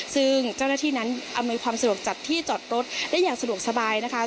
ซึ่งเจ้าหน้าที่นั้นอำนวยความสะดวกจัดที่จอดรถได้อย่างสะดวกสบายนะคะ